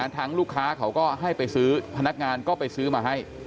ลูกค้าเขาก็ให้ไปซื้อพนักงานก็ไปซื้อมาให้